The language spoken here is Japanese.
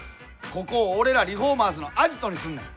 ここを俺らリフォーマーズのアジトにすんねん。